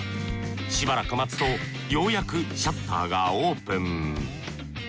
しばらく待つとようやくシャッターがオープン。